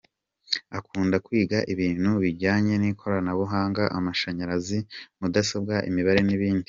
Akunda kwiga ibintu bijyanye n’ikoranabuhanga , amashanyarazi, mudasobwa, imibare n’ibindi.